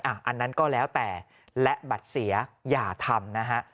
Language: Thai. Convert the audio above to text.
อันนั้นก็แล้วแต่และบัตรเสียอย่าทำนะฮะ